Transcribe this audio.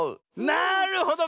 なるほど。